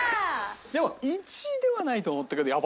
でも１位ではないと思ったけどやばかった！